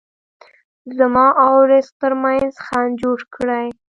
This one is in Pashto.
زما او رزق ترمنځ خنډ جوړ کړي.